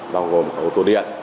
bao gồm cả ô tô điện